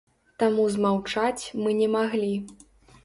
Таму змаўчаць мы не маглі.